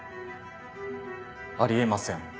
あり得ません。